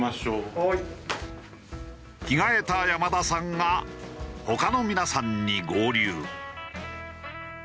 着替えた山田さんが他の皆さんに合流。